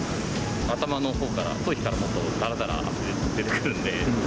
頭のほうから、頭皮からもっとだらだら汗出てくるんで。